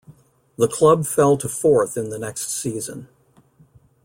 The club fell to fourth in the next season.